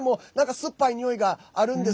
酸っぱいにおいがあるんです。